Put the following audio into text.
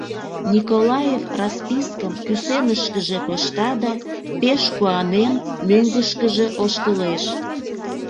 Николаев распискым кӱсенышкыже пышта да, пеш куанен, мӧҥгышкыжӧ ошкылеш.